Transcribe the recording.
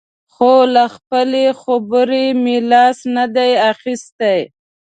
خو له خپلې خبرې مې لاس نه دی اخیستی.